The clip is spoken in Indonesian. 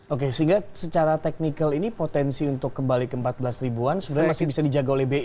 oke sehingga secara teknikal ini potensi untuk kembali ke empat belas ribuan sebenarnya masih bisa dijaga oleh bi